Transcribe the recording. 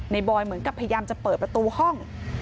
บอยเหมือนกับพยายามจะเปิดประตูห้อง